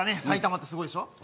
埼玉ってすごいでしょ。